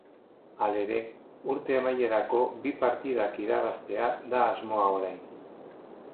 Halere, urte amaierako bi partidak irabaztea da asmoa orain.